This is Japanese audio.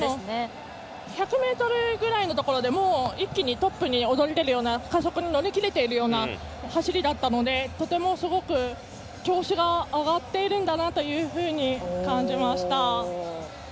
１００ｍぐらいのところでもう一気にトップに躍り出るような加速に乗り切れているような走りだったのでとてもすごく調子が上がっているんだなというふうに感じました。